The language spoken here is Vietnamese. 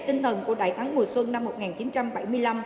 tinh thần của đại thắng mùa xuân năm một nghìn chín trăm bảy mươi năm